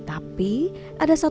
dan itu adalah suci